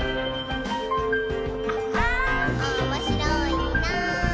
「おもしろいなぁ」